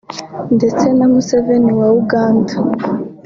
ndetse na Museveni wa Uganda